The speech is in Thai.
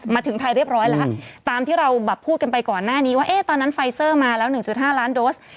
มาถึงไทยเรียบร้อยแล้วตามที่เราแบบพูดกันไปก่อนหน้านี้ว่าตอนนั้นไฟเซอร์มาแล้ว๑๕ล้านโดส